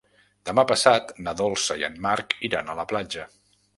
Demà passat na Dolça i en Marc iran a la platja.